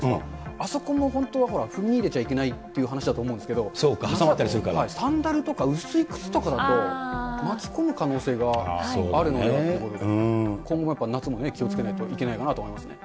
あそこも本当は踏み入れちゃいけないっていう話だと思うんですけど、サンダルとか薄い靴とかだと、巻き込む可能性があるので、今後やっぱり夏も気をつけないといけないかなと思いますね。